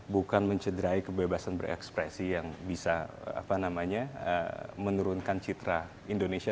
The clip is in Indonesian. bukan mencederai kebebasan berekspresi yang bisa menurunkan citra indonesia